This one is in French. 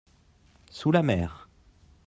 sous la mer.